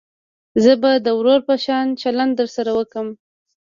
زه به د ورور په شان چلند درسره وکم.